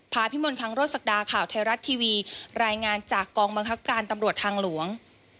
พิมลคังโรศักดาข่าวไทยรัฐทีวีรายงานจากกองบังคับการตำรวจทางหลวง